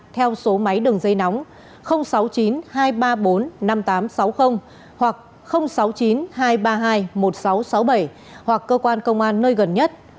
theo số máy đường dây nóng sáu mươi chín hai trăm ba mươi bốn năm nghìn tám trăm sáu mươi hoặc sáu mươi chín hai trăm ba mươi hai một nghìn sáu trăm sáu mươi bảy hoặc cơ quan công an nơi gần nhất